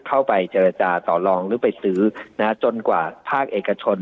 เข้าไปเจรจาต่อลองหรือไปซื้อนะฮะจนกว่าภาคเอกชน